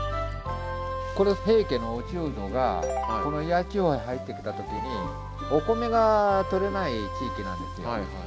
これ平家の落人がこの祖谷地方へ入ってきた時にお米が採れない地域なんですよ。